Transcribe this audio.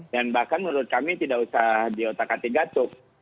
dan bahkan menurut kami tidak usah diotak atik gatuk